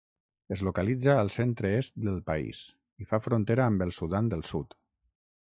Es localitza al centre-est del país i fa frontera amb el Sudan del Sud.